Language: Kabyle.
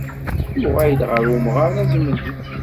Yuɣal ɣer umɣar azemni.